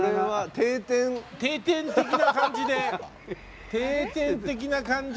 定点的な感じで定点的な感じで。